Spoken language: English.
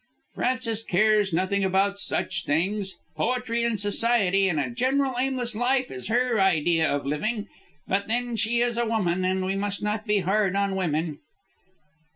Frances cares nothing about such things. Poetry and society and a general aimless life is her idea of living, But then she is a woman, and we must not be hard on women."